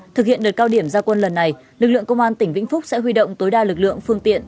thực hiện đợt cao điểm gia quân lần này lực lượng công an tỉnh vĩnh phúc sẽ huy động tối đa lực lượng phương tiện